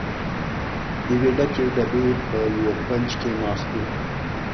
د یوې ډکې ډبې په یوه کونج کې ناست و.